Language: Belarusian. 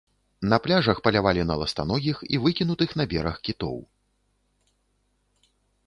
На пляжах палявалі на ластаногіх і выкінутых на бераг кітоў.